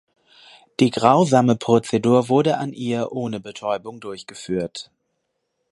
Die grausame Prozedur wurde an ihr ohne Betäubung durchgeführt.